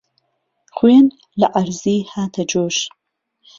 خوێن له عەرزی هاته جۆش